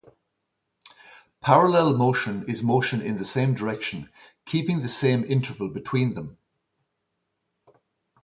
Parallel motion is motion in the same direction, keeping the same interval between them.